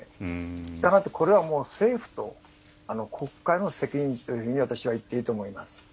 したがってこれはもう政府と国会の責任というふうに私は言っていいと思います。